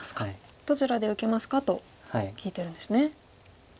どちらで受けますかと聞いてるんですね。